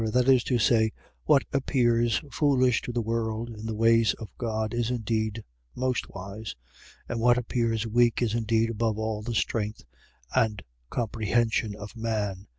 .That is to say, what appears foolish to the world in the ways of God, is indeed most wise; and what appears weak is indeed above all the strength and comprehension of man.